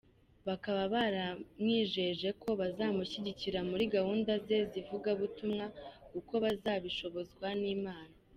Bakaba baramwijeje ko bazamushyigikira muri gahunda ze z’ivugabutumwa uko bazabishobozwa n’Imana.